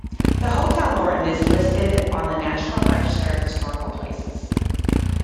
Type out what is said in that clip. The Hotel Norton is listed on the National Register of Historic Places.